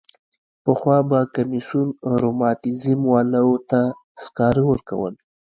پخوا به کمیسیون رماتیزم والاوو ته سکاره ورکول.